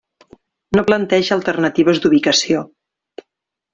No planteja alternatives d'ubicació.